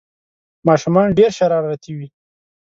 ماشومان ډېر شرارتي وي